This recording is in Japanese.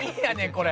これ」